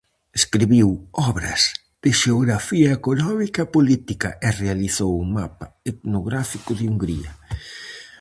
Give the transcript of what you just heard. Escribiu obras de xeografía económica e política, e realizou un mapa etnográfico de Hungría.